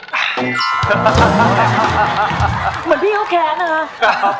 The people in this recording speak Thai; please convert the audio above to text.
เหมือนพี่พวกแคค้าใช่มั้ยครับ